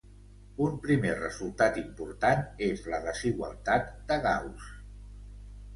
Un primer resultat important és la Desigualtat de Gauss.